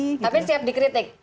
tapi siap dikritik